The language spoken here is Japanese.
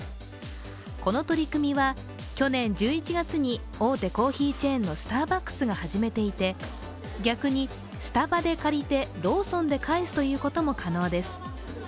この取り組みは去年１１月に大手コーヒーチェーンのスターバックスが始めていて逆にスタバで借りてローソンで返すということも可能です。